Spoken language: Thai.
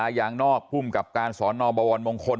เด็กเจษฎายางนอกภูมิกับการสอนนอบบวรมงคล